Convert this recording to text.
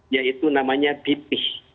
yaitu namanya bp